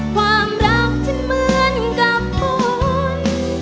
ความรักฉันเหมือนกับคน